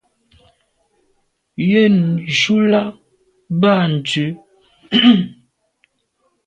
Yen ju là be à ndù.